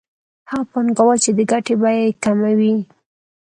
هغه پانګوال چې د ګټې بیه یې کمه وي